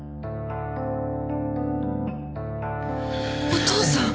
お父さん！？